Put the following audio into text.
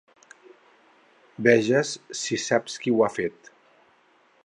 Veges si saps qui ho ha fet.